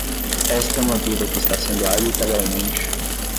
Esta é uma vida que está sendo arbitrariamente